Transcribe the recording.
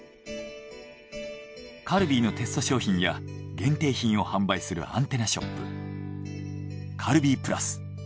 カルビーのテスト商品や限定品を販売するアンテナショップカルビープラス。